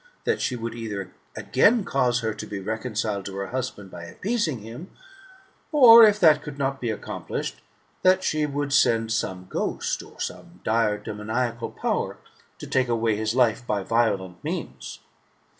that she would either again cause her to be reconciled to her husband by appeasing him ; or, if that could not be accomplished, that she would send some ghost, or some dire demoniacal power, to take away his life by violent means.